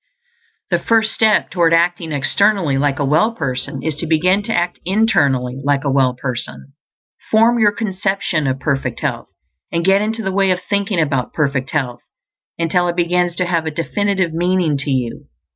The first step toward acting externally like a well person is to begin to act internally like a well person. Form your conception of perfect health, and get into the way of thinking about perfect health until it begins to have a definite meaning to you.